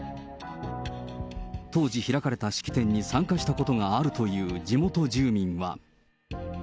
当時、開かれた式典に参加したことがあるという地元住民は。